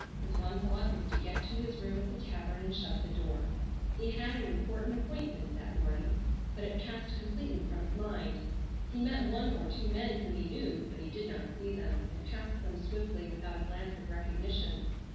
His one thought was to get to his room at the tavern and shut the door. He had an important appointment that morning, but it passed completely from his mind. He met one or two men whom he knew, but he did not see them, and passed them swiftly without a glance of recognition.